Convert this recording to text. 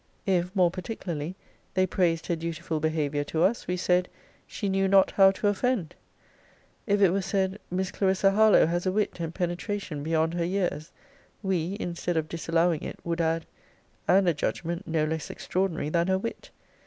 If, more particularly, they praised her dutiful behaviour to us, we said, she knew not how to offend. If it were said, Miss Clarissa Harlowe has a wit and penetration beyond her years; we, instead of disallowing it, would add and a judgment no less extraordinary than her wit.